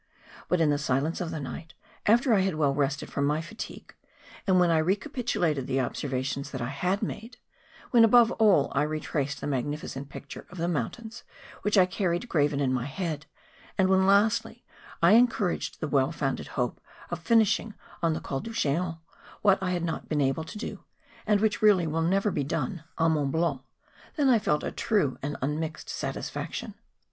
But in the silence of the night, after I had well rested from my fatigue; when I re¬ capitulated the observations that I had made; when, above all, I retraced the magnificent picture of the mountains which I carried graven in my head; and when, lastly, I encouraged the well founded hope of finishing on the Col du Geant what I had not been able to do, and which really will never be done on MONT BLANC. 13 Mont Blanc,— then I felt a true and unmixed satis¬ faction.